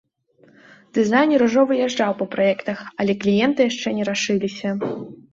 Дызайнер ужо выязджаў па праектах, але кліенты яшчэ не рашыліся.